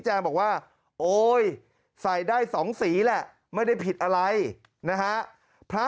แจ้งบอกว่าโอ๊ยใส่ได้๒สีแหละไม่ได้ผิดอะไรนะฮะพระ